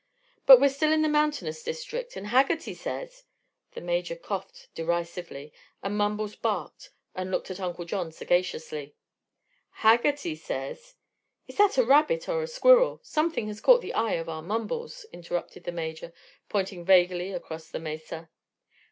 "But we're still in the mountainous district, and Haggerty says " The Major coughed derisively and Mumbles barked and looked at Uncle John sagaciously. "Haggerty says " "Is that a rabbit or a squirrel? Something has caught the eye of our Mumbles," interrupted the Major, pointing vaguely across the mesa.